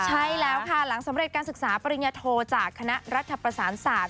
ใช่แล้วค่ะหลังสำเร็จการศึกษาปริญญโทจากคณะรัฐประสานศาสตร์